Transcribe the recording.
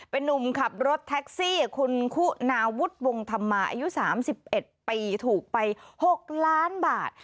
เป็นนุ่มขับรถแท็กซี่คุณคุณาวุฒิวงธรรมาอายุ๓๑ปีถูกไป๖ล้านบาท